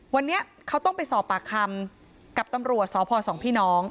วันนี้เขาต้องไปสอบปากคำกับตำรวจสพสองพี่น้อง